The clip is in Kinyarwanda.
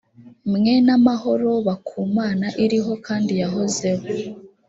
mwe n amahoro ba ku mana iriho kandi yahozeho